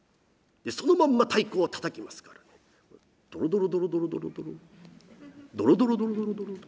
そのまんま太鼓をたたきますからドロドロドロドロドロドロドロドロドロドロドロドロ。